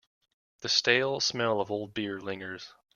The stale smell of old beer lingers.